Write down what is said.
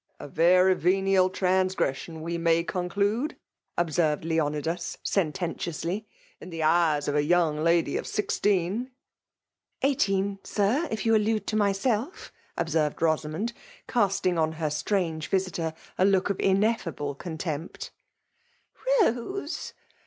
•f A very venial transgression, we may con clude," observed Leonidas sententiously, " in the eyes of a young lady of sixteen !'*'*' Eighteen, Sir, if you allude to myself," observed Rosamond, casting on her strange visiter a look of ineffable contempt. '*' Rose!